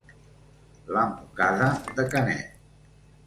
La mocada de Canet.